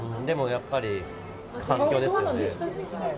でもやっぱり環境ですよね。